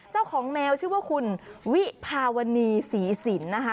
เจ้าของแมวชื่อว่าคุณวิภาวณีศรีศิลป์นะคะ